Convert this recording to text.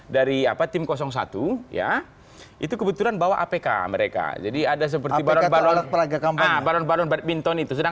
dari apa tim satu ya itu kebetulan bawa apk mereka jadi ada seperti balon balon peragak kampanye balon balon